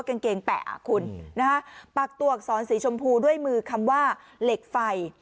กางเกงแปะปากตวกซ้อนสีชมพูด้วยมือคำว่าเหล็กไฟ